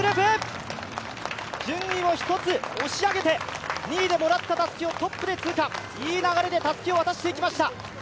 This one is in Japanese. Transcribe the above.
順位を１つ押し上げて２位でもらったたすきをトップで通過、いい流れでたすきを渡していきました。